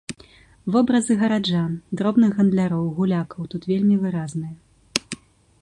Вобразы гараджан, дробных гандляроў, гулякаў тут вельмі выразныя.